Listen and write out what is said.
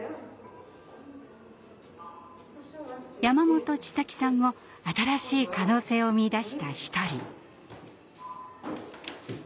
山本千咲さんも新しい可能性を見いだした一人。